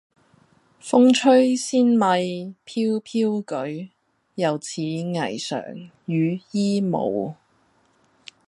風吹仙袂飄飄舉，猶似霓裳羽衣舞。